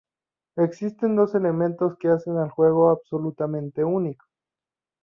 Existen dos elementos que hacen al juego absolutamente único.